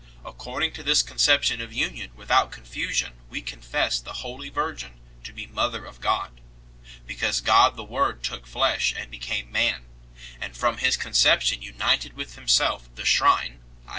Accord ing to this conception of union without confusion we confess the Holy Virgin to be Mother of God, because God the Word took flesh and became Man, and from His conception united with Himself the shrine [i.